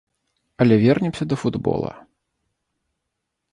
Але вернемся да футбола.